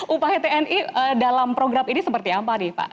upaya tni dalam program ini seperti apa nih pak